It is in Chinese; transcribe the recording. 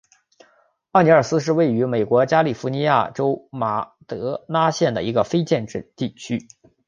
奥尼尔斯是位于美国加利福尼亚州马德拉县的一个非建制地区。